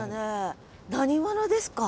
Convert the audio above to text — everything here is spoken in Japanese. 何者ですか？